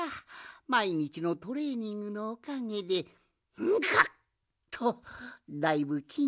まいにちのトレーニングのおかげでガッとだいぶきんにくがついてきたわい。